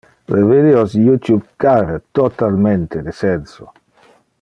Le videos YouTube care totalmente de senso.